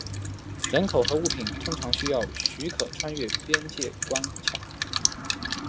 人口和物品通常需要许可穿越边界关卡。